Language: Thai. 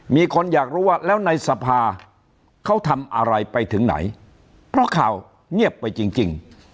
มีคนอยากรู้ว่าแล้วในสภาเขาทำอะไรไปถึงไหนเพราะข่าวเงียบไปจริง